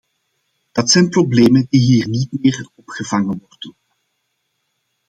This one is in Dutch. Dat zijn problemen die hier niet meer opgevangen worden.